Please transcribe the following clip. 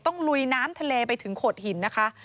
ลุยน้ำทะเลไปถึงโขดหินนะคะ